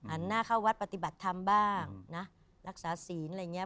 หน้าเข้าวัดปฏิบัติธรรมบ้างนะรักษาศีลอะไรอย่างเงี้